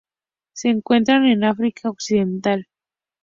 Se encuentra en África occidental.